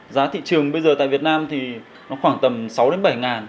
giá thị trường bây giờ tại việt nam thì nó khoảng tầm sáu đến bảy ngàn